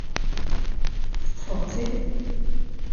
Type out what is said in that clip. Teṭṭfeḍ-tt-id?